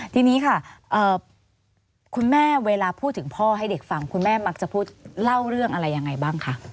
ทีนี้ค่ะคุณแม่เวลาพูดถึงพ่อให้เด็กฟังคุณแม่มักจะพูดเล่าเรื่องอะไรยังไงบ้างคะ